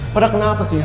padahal kenapa sih